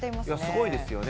すごいですよね。